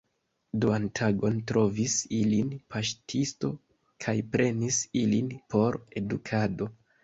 Duan tagon trovis ilin paŝtisto kaj prenis ilin por edukado.